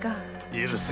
許せ。